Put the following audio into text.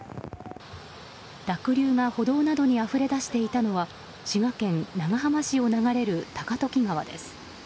濁流が歩道などにあふれ出していたのは滋賀県長浜市を流れる高時川です。